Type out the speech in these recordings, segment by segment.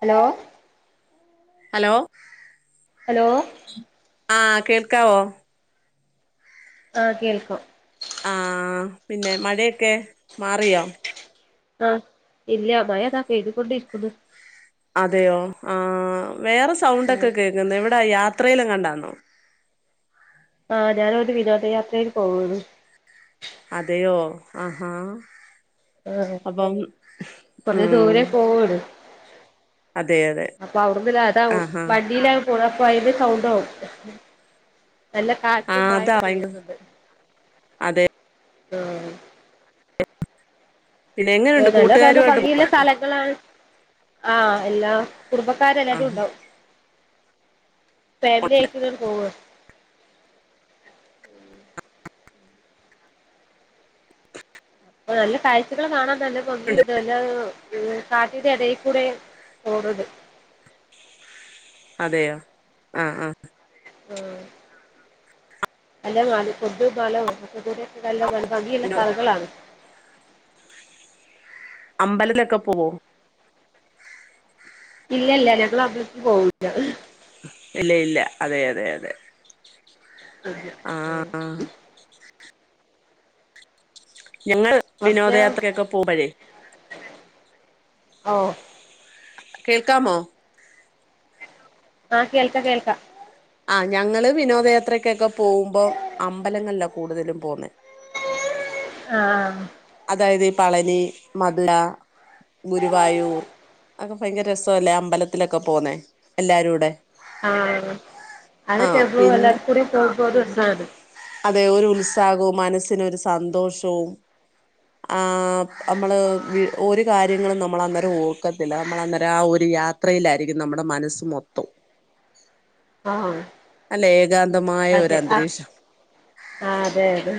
Hello hello hello ആഹ കേൾക്കാവോ ആഹകേൾക്ക ആ പിന്നെ മഴയൊക്കെ മാറിയോ ആഹ് ഇല്ല മഴ ഇതാ പെയ്തുണ്ടിരിക്കുന്നു അതെയോ ആ വേറെ ഉം സൗണ്ടൊക്കെ കേൾക്കുന്നത് എവിടെ എ യാത്രയിലും കണ്ടന്നു ആഹ ഞാന ഒരു വിനോദയാത്രയിൽ പോവു അതെയോ ആഹാ ആഹ് അപ്പം ഉ കൊറേ ദൂരെ പോവാണ് അപ്പൊ അവിടന്നില്ല അതാ ആഹാ വണ്ടിയില ള പ ബി സൗണ്ട ഉ നല്ല കാറ്റും ആഹ് അതാ മായക്കെ ഭയങ്കര പെയ്യുന്നുണ്ട് അതെ പിന്നെ അത എങ്ങനെയുണ്ട് നല്ല തോന്ന കൂട്ടുകാരുമായിട്ട് പോ ഭംഗിയില സ്ഥലങ്ങളാണ് ആഹ എല്ലാ കുടുംബക്കാരല്ലായിട്ടും ആഹ് ഉണ്ടാവും ഫാമിലി ആയിക്കു പോവ അപ്പ നല്ല കാഴ്ചകളെ കാണാൻ നല്ല ഉണ്ട് ഭംഗിയുണ്ട് നല്ല ഉ കാട്ടിന്റെ ഇടയിൽക്കൂടെ പോടത് അതെയോ ആ ആ ആ അല്ല മ ഫഡ് മളക്ക ദൂരൊക്കെല്ല ഭംഗിയുള്ള പിന്നെ കറകളാണ് അമ്പലത്തൊക്കെ പോവോ ഇല്ല ഇല്ല ഞങ്ങൾ അമ്പലത്തിൽ പോവൂല്ല ഇല്ല ഇല്ല അതെ അതെ അതെ അ ആഹ് ഉ ഞങ്ങൾ കുറച്ച് വിനോദയാത്രൊക്കെ പോപഴേ ഓ കേൾക്കാമോ ആകേൾക്ക കേൾക്ക ആ് ഞങ്ങള് വിനോദയാത്രക്കൊക്കെ പോകുമ്പോ അമ്പലങ്ങളിലൊക്കെ കൂടുതലും പോണ് ആ അതായത് ഈ പളനി മധുര ഗുരുവായൂർ ഒക്കെ ഭയങ്കര രസല്ലേ അമ്പലത്തിലൊക്കെ പോന്നേ എല്ലാരും കൂടെ ആ അതൊപോ എല്ലാർ പിന്നെ കൂടി പോകുമ്പോത് ഇതാണ് അതെ ഒരു ഉത്സാഹവും മനസ്സിനൊരു സന്തോഷവും ആ നമ്മള് ഒരു കാര്യങ്ങളും നമ്മൾ അന്നേരം ഓക്കത്തില്ല നമ്മള അന്നേരം ആ ഒരു യാത്രയിലായിരിക്കും നമ്മുടെ മനസ്സ് മൊത്തവും ആ ഗാന്തമായ ഒര് അന്തരീക്ഷം ആഹ് അതെ അതെ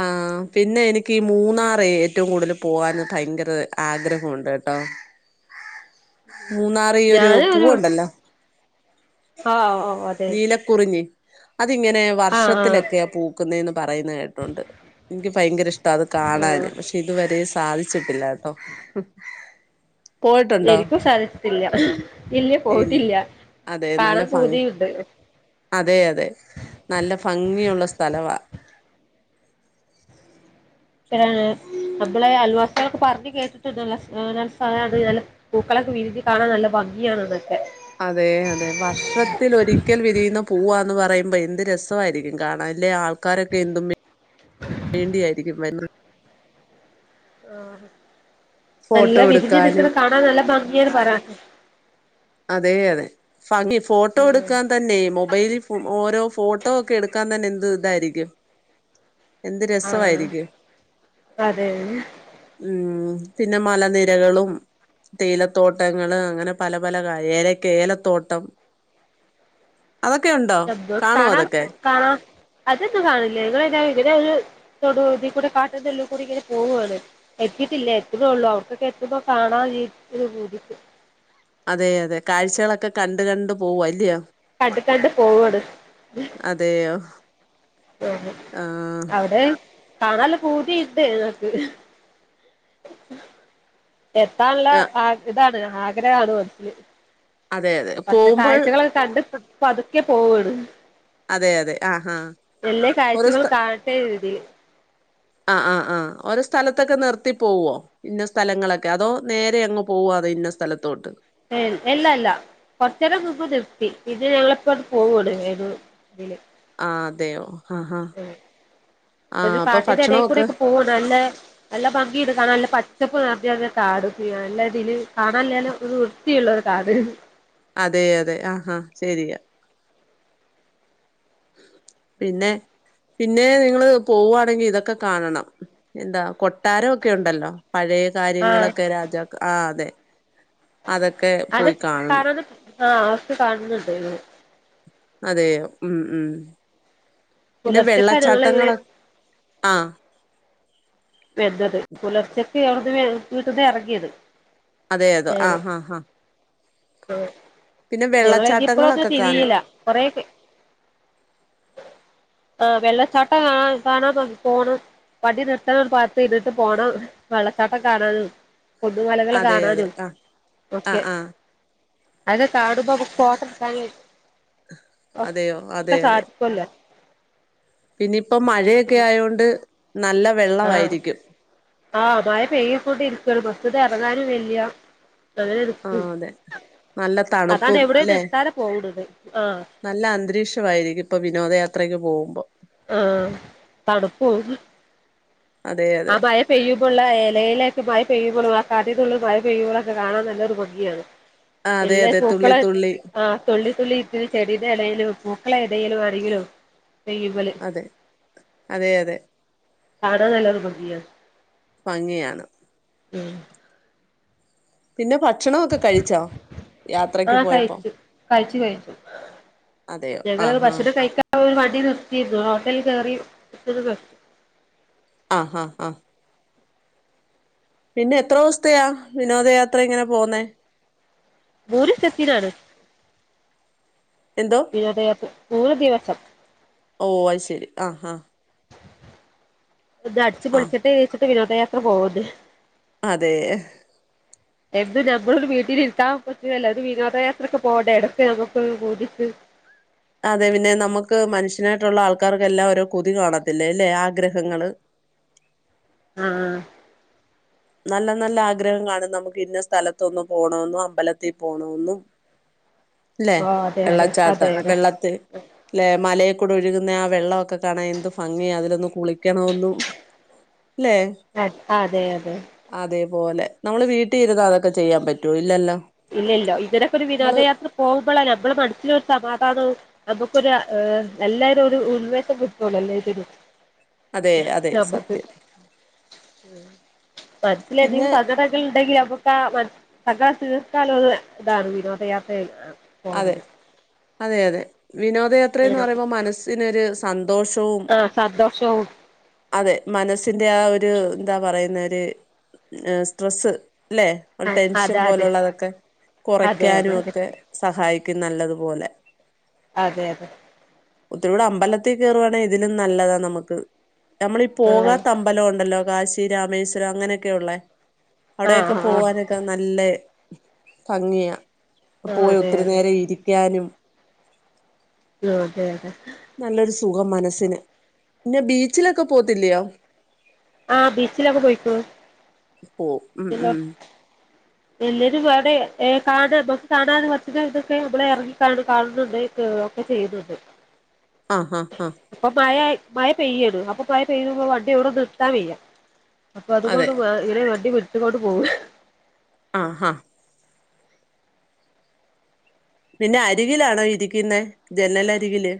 ആഹ് പിന്നെ എനിക്ക് ഈ മൂന്നാറെ ഏറ്റവും കൂടുതൽ പോവാൻ ഭയങ്കര ആഗ്രഹമുണ്ട് ട്ടോ മൂന്നാർ ഈ ഒരു പൂവുണ്ടല്ലോ ആഹ് ആഹ് നീലക്കുറിഞ്ഞി അതിങ്ങനെ ആഹ് ആഹ് വർഷത്തിലെക്കയാ പൂക്കുന്നെന്ന് പറയുന്ന കേട്ടുണ്ട് ന്ക്ക് ഭയങ്കര ഇഷ്ട്ടാന്ന് കാണാൻ ആഹ് പക്ഷെ ഇതുവരെ അധിച്ചിട്ടില്ല ട്ടോ ഹ്മ്മ് എനിക്കും സാധിച്ചിട്ടില്ല ഇല്ല ഇൽ പോയിട്ടില്ല അതെ നല്ല കാണാൻ ഭംഗ് പൂതിയുണ്ട് അതെ അതെ നല്ല ഭംഗിയുള്ള സ്ഥലവാ എഹ് നമ്മളെ അൽവാസെളൊക്കെ പറഞ്ഞ് കേട്ടിട്ട്ണ്ട് നല്ല നല്ല സലാണ് നല്ല പൂക്കള വിര്തി കാണാൻ നല്ല ഭംഗിയാണെന്ന് അതെ അതെ വർഷത്തിൽ ഒരിക്കൽ വിരിയുന്ന പൂവാന്ന് പറയുമ്പോ എന്ത് രസവായിരിക്കും കാണാൻല്ലേ ആൾക്കാരൊക്കെ എന്തും മി വേണ്ടിയായിരിക്കും വര്ന്ന്ത് അഹ് നല്ല ഫോട്ടോ വിരിഞ് എടുക്കാനും നിക്ണ കാണാൻ നല്ല ഭംഗിയാണ് പറ അതെ അതെ ഫങ്ങി ഫോട്ടോ എടുക്കാൻ തന്നെ മൊബൈലിൽ ഓരോ ഫോട്ടോക്കെ എടുക്കാൻ തന്നെ എന്ത് തായിരിക്കും എന്ത് ആഹ് രസവായിരിക്കും അതെ ഉം പിന്നെ മലനിരകളും തേലത്തോട്ടങ്ങള്അങ്ങനെ പല പല കാര്യ ഏലക്ക ഏലത്തോട്ടം [unintelligible] അതൊക്കെ ഉണ്ടോ ശബ്ധോം കാണുവോ കാണാൻ അതൊക്കെ കാ അതൊന്നും കാണല്ല്യ ങ്ങളെതെ ങ്ങനൊര് തൊടു ദി കൂടെ കാട്ടിന്റുല്ലുകൂടി ഇങ്ങനെ പോവാണ് ഏ കിട്ടില്ല എതുണൊള്ളൂ അവ്ട്ക്കൊക്കെ എത്തുമ്പോ കാണാനി കൊരു പുതിക് അതെ അതെ കാഴ്ചെളൊക്കെ കണ്ട് കണ്ട് പോവാ ല്യോ കണ്ട് കണ്ട് പോവാണ് അതെയോ അഹ് ആഹ് അവടെ കാണല്ല പുതി ണ്ട് ക് എത്താനുള്ള ആ ഹ് താണ് ആഗ്രഹാണ് മൻസിൽ അതെ അതെ പക്ഷേ പോകുമ്പോൾ കാഴ്ചകളൊ കണ്ട് പ പതുക്കെ പോവൊണ് അതെ അതെ ആഹ് ആഹ് എല്ലേ കാഴ്ചകൾ കാൺട്ടെ ര്തിൽ അഹ് അഹ് അഹ് ഓരോ സ്ഥലത്തൊക്കെ നിർത്തി പോവോ ഇന്ന സ്ഥലങ്ങളൊക്കെ അതോ നേരെ അങ്ങ് പോവാ ഇഞ്ഞ സ്ഥലത്തോട്ട് ഏഹ്മ് എല്ലല്ല കൊറച്ചേരനുമ്പ് നിർത്തി [inaudible] [unintelligible] പോവുട് ഏതോ ഇതിൽ അഹ് അതെയോ അ ഹഹ ഒരു കാട്ടിന്റെ ഇടയിൽ കൂടെൊക്കെ പോക നല്ല ഭംഗി ഇടുകണ നല്ല പ ചപ് നെർ [unintelligible] കാട് അല്ലതിൽ കാണാല്ലല്ലോ ഒരു വൃത്തിയുള്ള ഒരു കാട് അതെ അതെ അഹ് അഹ് ശരിയാ പിന്നെ പിന്നെ നിങ്ങള് പോവാണെങ്കി ഇതൊക്കെ കാണണം എന്താ കൊട്ടാരൊക്കേണ്ടല്ലോ പഴയ ആഹ് കാര്യങ്ങളൊക്കെ രാജാക്ക ആ അതെ അതൊക്കെ അത് പോയി കാണണം കാണാന് ആഹ് അവ്ക് കാണുന്ന്ഡെന്നു അതെ ഉം ഉം പിന്നെ പുലർച്ചക്കാ വെള്ളച്ചാട്ടങ്ങൾ ഞങ്ങളിങ്ങനെ അഹ് വെന്നത് പുലർച്ചക് അവ്ട്ന് വെ വീട്ട്ന്ന് ഏറങ്ങിയത് അതെ അതൊ അഹ് ഹ ഹ ഹ അഹ് [unintelligible] പോത് കാണണം തിരീല കൊറേക്കെ അഹ് വെള്ളച്ചാട്ടം കാ കാണാ പോണം വണ്ടി നിർ ട്ടാ പത്ത് ഇിഡിട്ട് പോണം വെള്ളച്ചാട്ടം കാണൻന്ന് കൊടു മലകൾ അതെ അതെ കാണാനും ആഹ് ഒക്കെ ആഹ് ആഹ് അത് താണുബ മുക്ക് ഫോട്ടോ എടുക്കാൻ ഒ അതെയോ ക്കെ സാധിക്കൊല്ലോ പിന്നിപ്പോ മഴക്കെ ആയോണ്ട് നല്ല ആഹ് വെള്ളവായിരിക്കും ആഹ് മഴ പെയ്യു കൊണ്ട് ഇരിക്കാണ് പോർത്ത്ക്ക് എറങ്ങാനും വയ്യ അങ്ങനെ നിക്കും ആഹ് അതെ നല്ല അതാണ്ട് തണുപ്പും എവിടെയും ല്ലേ നിർത്താതെ പോണത് നല്ല അന്തരീക്ഷവായിരിക്കും ഇപ്പൊ വിനോദയാത്രയ്ക്കെ പോവുമ്പോ ആഹ് തണുപ്പും. അതെ അതെ ആഹ് മഴ പെയ്യുമ്പോയുള്ള ഇലയില് ഒക്കെ മഴ. പെയ്യുമ്പോഴും ആഹ് കട്ടിക്കുള്ള മഴ പെയ്യുമ്പോൾ ഒക്കെ കാണാൻ നല്ലൊരു ഭംഗിയാണ്. ആഹ് അതെ എല്ലാ അതെ തുള്ളി പൂക്കളെ തുള്ളി ആഹ് തുള്ളി തുള്ളി. ഈ ചെടിയുടെ ഇടേലും പൂക്കളുടെ ഇടേലും ആണെങ്കിലും. പെയ്യുമ്പല് അതെ അതെ അതെ കാണാൻ നല്ലൊരു ഭംഗിയാ. ഭംഗിയാണ് ഉം പിന്നെ ഭക്ഷണമൊക്കെ കഴിച്ചോ, യാത്രക്ക് പോയപ്പോ? ഇത്തി കഴിച്ചു, അതെയോ ഞങ്ങള് ആഹ് ആഹ് ഭക്ഷണം കഴിക്കാൻ വ വണ്ടി നിർത്തിരുന്നു ഹോട്ടലിൽ കേറി ഇത്തിരി ഭക്ഷ ആഹ് ആഹ് ആഹ് പിന്നെ എത്ര ദിവസത്തെയാ വിനോദയാത്ര ഇങ്ങനെ പോവുന്നെ. മൂന്ന് ദിവസത്തിന് ആണ്, എന്തോ വിനോദയാത്ര. മൂന്ന് ദിവസം ഓ അത് ശരി ആഹ് ആഹ്. ഇത് അടിച്ച് ആഹ് പൊളിച്ചിട്ട് കഴിച്ചിട്ട് വിനോദയാത്ര പോവന്ന്. അതെ എന്നും ഞമ്മളൊരു വീട്ടിലിരിത്താൻ പറ്റൂവേല ഒരു വിനോദയാത്രക്ക് പോവണ്ടയാണ്, ഇടക്ക് നമുക്ക് ഒരു പൂതിക്ക്. ക്ക് അതെ പിന്നെ നമുക്ക് മനുഷ്യനായിട്ടുള്ള ആൾക്കാർക്ക് എല്ലാം ഓരോ കൊതി കാണത്തില്ലേ, അല്ലെ ആഗ്രഹങ്ങൾ. ആഹ് നല്ല നല്ല ആഗ്രഹം കാണും, നമുക്ക് ഇന്ന സ്ഥലത്തൊന്ന് പോണന്നും, അമ്പലത്തിൽ പോണന്നും. ഇല്ലേ ഓ അതെ അതെ വെള്ളച്ചാട്ടം അതെ അതെ വെള്ളത്തിൽ ഇല്ലെ മല. കൂടെ ഒഴുകുന്ന ആ വെള്ളോക്കെ കാണാൻ എന്ത് ഭംഗിയ അതിലൊന്ന് കുളിക്കണൊന്നും അഹ് അതെ അതെ പോലെ നമ്മള് വീട്ടി ഇരുന്ന അതൊക്കെ ചെയ്യാൻ പറ്റോ ഇല്ലല്ലോ ഇല്ലല്ലോ ഇതിനൊക്കെ ഒരു നമ്മള് വിനോദയാത്ര പോ മ്പള ഞമ്മള മനസ്സിലൊരു സമാധാനോം നമുക്കൊര എല്ലാരും ഒരു ഉൻമേഷം കിട്ടുള്ളൂ ല്ലെ ശരിയാ അതെ അതെ സത്യം ഉം മനസ്സിലെന്തെലും പിന്നെ സങ്കടങ്ങൾ ഇണ്ടെങ്കിൽ നമുക്ക ആ മന് [unintelligible] തീർക്കാലോള്ള ഇതാണ് വിനോദയാത്രയി അതെ പോണത് അതെ അതെ വിനോദയാത്രന്ന് പറയുമ്പോ മനസ്സിനൊരു സന്തോഷോം ആഹ് സന്തോഷവും അതെ മനസ്സിന്റെ ആ ഒ ര് എന്താ പറയുന്ന ഒരു സ്ട്രെസ് ഇല്ലെ ഒരു ടെൻഷൻ അതെ അതെ പോലുള്ളതൊക്കെ അതെ അതെ അതെ കൊറയ്ക്കാനുംഒക്കെ സഹായിക്കും നല്ലതുപോലെ അതെ അതെ ഒത്തിരൂടെ അമ്പലത്തിൽ കേറുവാണെ ഇതിലും നല്ലതാ നമുക്ക് നമ്മളീ ആഹ് പോകാത്ത അമ്പലം ഉണ്ടല്ലോ കാശി രാമേശ്വരം അങ്ങനെയൊക്കെ ഉള്ള ആഹ് അവിടെക്കെ ആഹ് പോവാനൊക്കെ നല്ല ഭംഗിയാ ആഹ് പോയി അതെ ഒത്തിരി അതെ നേരം ഇരിക്കാനും ആഹ് അതെ അതെ നല്ലൊരു സുഖം മനസ്സിന് പിന്നെ ബീച്ചിലൊക്കെ പോത്തില്ലിയോ ആഹ് ബീച്ചിലൊക്കെ പോയിക്കോ പോവും ഉം ഉം എല്ലാരും അവിടെ ഏഹ് കാണാൻ നമുക്ക് കാണാൻ കുറച്ച് ഇതൊക്കെ നമ്മള് ഇറങ്ങി കാണു കാണുന്നുണ്ട് കേ ഇതൊക്കെ ചെയ്തത് ആഹ് ഹാ ആഹ് മഴ പെയ്യടും അപ്പൊ മഴ പെയ്യുമ്പം വണ്ടിയ എവിടൊന്ന് നിർത്താൻ വയ്യ അപ്പൊ അതുകൊണ്ട് അതെ ഇങ്ങനെ വണ്ടി പിടിച്ചുകൊണ്ട് പോവും ആഹ് ഹാ പിന്നെ അരികിലാണോ ഇരിക്കുന്ന ജനല് അരികില്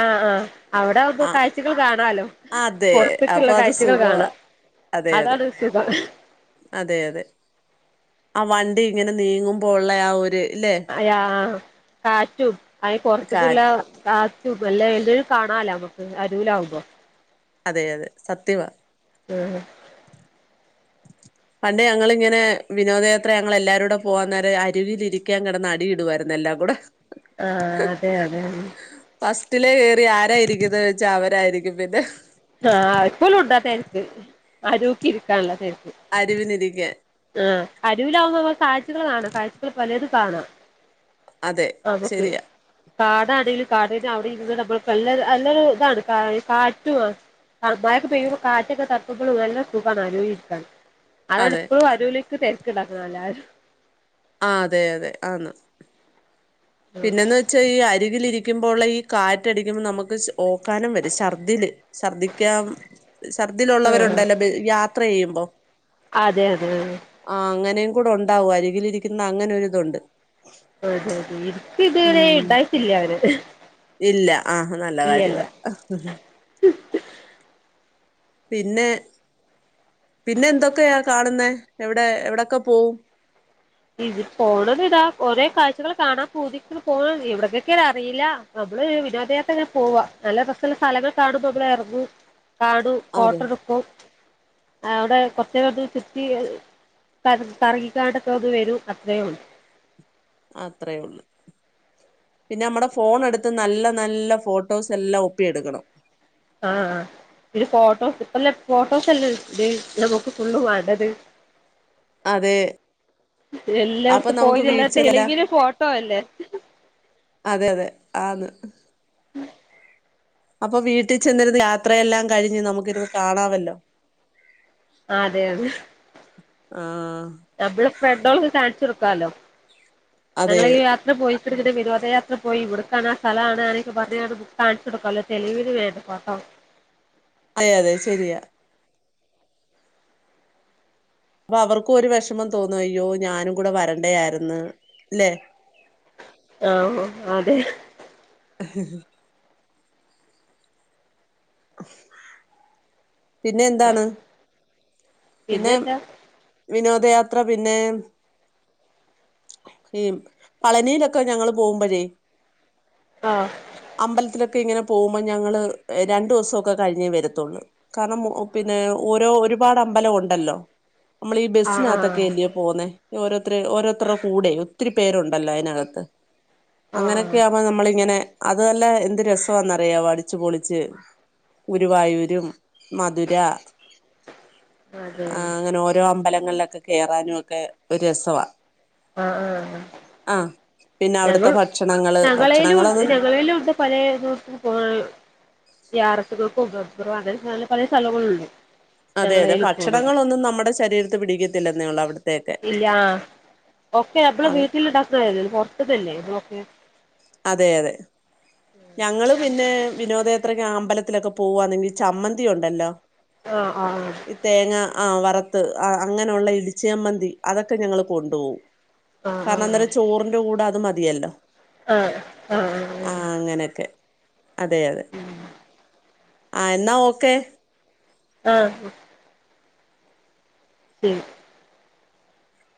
ആഹ് ആഹ് അവിടെ ആവുമ്പോൾ കാഴ്ചകൾ കാണാലോ അതെ പൊറത്തെക്കെയുള്ള അപ്പൊ അത് കാഴ്ചകൾ സുഖവാ കാണാം അതെ അതെ അതാണ് സുഖം ആഹ് വണ്ടി ഇങ്ങനെ നീങ്ങുമ്പോൾ ഉള്ള ആ ഒര് അയ ആഹാ കാറ്റും അയി പൊറത്തിക്കുള്ള കാറ്റ് ആ കാ റ്റും എല്ലാം ഒരു കാണാല്ലോ നമ്മക്ക് അരുവില് ആവുമ്പം അതെ അതെ സത്യവാ ഉം പണ്ട് ഞങ്ങളിങ്ങനെ വിനോദയാത്ര ഞങ്ങൾ എല്ലാരൂടെ പോവാന്നേരം അരുവിലിരിക്കാൻ കിടന്ന് അടിയിടുവായിരുന്ന് എല്ലാം കൂടെ ആഹ് അതെ അതെ ഉം ഫസ്റ്റിലേ കേറി ആരായിരിക്കുന്നേന്ന് വെച്ചാൽ അവരായിരിക്കും പിന്നെ അരുവിക്ക് ഇരിക്കാനുള്ളത് അരുവിനിരിക്കാൻ അരുവിലാവുമ്പം അപ്പം കാഴ്ചകള് കാണാം കാഴ്ചകള് പലതും കാണാം അതെ ശരിയാ കാടാണേലും കാടിന്റെ അവിടെ ഇരുന്ന് നമ്മൾക്ക് നല്ലൊരു നല്ലൊരു ഇതാണ് ഈ കാറ്റു ആഹ് മഴയൊക്കെ പെയ്യുമ്പോ കാറ്റൊക്കെ തട്ടുമ്പളും നല്ല സുഖമാണ് അരുവി ഇരിക്കാന് അതാണ് അതെ ഇപ്പോഴും അരൂലേക്ക് തിരക്ക് ഉണ്ടാക്കുന്നെ എല്ലാരും ആ അതെ അതെ ആന്ന് പിന്നെന്ന് വെച്ചാ ഈ അരികിലിരിക്കുമ്പോള്ള ഈ കാറ്റടിക്കുമ്പം നമുക്ക് ശാ ഓക്കാനം വരും ഛർദ്ദില് ഛർദ്ദിക്കാം ആഹ് ഛർദിലുള്ളവരുണ്ടല്ലോ യാത്ര ചെയ്യും അതെ അതെ അതെ കൂടുണ്ടാവും അരികിലിരിക്കുന്ന അങ്ങനെ ഒരിതുണ്ട് അതെ അതെ എനിക്ക് ഇതുവരെ ഉം ഉണ്ടായിട്ടില്ല ഒരിത് ഇല്ല ആഹ് നല്ല കാര്യമാ പിന്നെ പിന്നെ എന്തൊക്കെയാ കാണുന്നെ എവിടെ എവിടൊക്കെ പോവും ഇത് പോണത്ഇതാ ഒരേ കാഴ്ചകൾ കാണാൻ [unintelligible] ഇവിടക്കൊക്കെആന്ന് അറിയില്ല നമ്മള് വിനോദയാത്രക്കാ പോവാ നല്ല രസുള്ള സ്ഥലങ്ങൾ കാണുമ്പോൾ നമ്മള് ഇറങ്ങും കാണും ഫോട്ടോ അതെ എടുക്കും അവിടെ കൊറച്ച് നേരമൊന്നു ചുറ്റി കറ കറങ്ങിക്കാണ്ട് ണ്ട് ഒന്ന് വരും അത്രയുള്ളു അത്രേ ഉള്ളു പിന്നെ നമ്മടെ ഫോൺ എടുത്ത് നല്ല നല്ല ഫോട്ടോസ് എല്ലാം ഒപ്പി എടുക്കണം ആ ആ ഇത് ഫോട്ടോസ് അല്ലേ ഫോട്ടോസല്ലേ ഇത് നമുക്ക് ഫുള്ള് വേണ്ടത് അതെ അപ്പൊ എല്ലായിടത്തും നമുക്ക് പോയിന്നുള്ള വീട്ടിൽ തെളിവില് ഫോട്ടോ അല്ലേ അതെ അതെ ആന്ന്. [inaudible] അപ്പൊ വീട്ടിൽ ചെന്നിരുന്ന് യാത്രയെല്ലാം കഴിഞ്ഞ് നമുക്കിരുന്ന് കാണാമല്ലോ, അതെ അതെ ആഹ് നമ്മള ഫ്രഡോ കാണി [unintelligible] അതെ ഞങ്ങള യാത്ര പോയി. [unintelligible] വിനോനയാത്രപോയിഇവിടുക്കാആ സ്ഥലമാണ്ക്ക് പറ കാണിച്ചുടുക്കല്ലോ തെളവിന് വേണ്ട കേട്ടോ [inaudible] അതെ അതെ ശെരിയ അപ്പ അവർക്കും ഒരു വിഷമം തോന്നു അയ്യോ ഞാനും കൂടെ വരണ്ടേ ആയിരുന്നു. ല്ലെ ആ അതെ [unintelligible] [inaudible] പിന്നെ എന്താണ്? പിന്നെ പിന്നെന്താ വിനോ ദയാത്ര പിന്നെ? പളനിയിലൊക്കെ ഞങ്ങൾ പോകുമ്പോഴേ ആഹ് അമ്പലത്തിലൊക്കെ ഇങ്ങനെ പോകുമ്പോ ഞങ്ങള് രണ്ടു ദിവസം ഒക്കെ കഴിഞ്ഞേ വരത്തുള്ളൂ കാരണം. പിന്നെ ഓരോ ഒരുപാട് അമ്പലം ഉണ്ടല്ലോ, നമ്മൾ ഈ ആഹ് ആഹ് ബസ്സിനകത്തൊക്കെ അല്ലയോ പോന്നേ. ഓരോത്തർ ഓരോത്തർടെ കൂടെ ഒത്തിരി പേരുണ്ടല്ലോ അതിനകത്ത്, ആഹ് ആഹ് അങ്ങനെയൊക്കെആവുമ്പോനമ്മളിങ്ങനെ അതെല്ല എന്ത് രസമാന്നറിയാവോ. അടിച്ചു പൊളിച്ച്. ഗുരുവായൂരും മധുര അതെ ആ അങ്ങനെ ഓരോ അമ്പലം. [unintelligible] കേയറാനും ഒക്കെ ഒരു രസമാ ആ ആ ആ പിന്നെ അവിടുത്തെ ഭക്ഷണം? ഞങ്ങളലും ഞങ്ങളിലും ഉണ്ട് പല ദൂ പോ യാറത്ത്ങ്ങക്ക് പോവഅങ്ങനെ പല സ്ഥലങ്ങളുണ്ട്. അതെ അതെ ഞങ്ങളേലും പോണത് ഭക്ഷണങ്ങളൊന്നും നമ്മുടെ ശരീരത്ത് പിടിക്കത്തില്ലെന്നേ ഉള്ളൂ അവിട ഇല്ല ആ ഓക്കെ നമ്മളെ വീട്ടിന് ഉണ്ടാക്കുന്നപുൊറതല്ലേ ഇത് ഓക്കെ. അതെ അതെ ഞങ്ങള് പിന്നെ വിനോദയാത്രയ്ക്ക്അമ്പലത്തിലൊക്കെ പോവുവാന്നെങ്കിൽ ചമ്മന്തി ഉണ്ടല്ലോ. ആഹ് ആഹ് ഈ തേങ്ങ ആ വ പുറത്ത് അങ്ങനെയുള്ള ഇടിച്ചേമ്മന്തി അതൊക്കെ ഞങ്ങള്ൾ കൊണ്ടപോകവും. ആഹ് കാരണം അന്നേരം ചോറിന്റെ കൂടെ അത് മതിയല്ലോ? ആ ആ ആ ആ അതെ അതെ. ആ എന്നാ ഓക്കെ ആ ഉം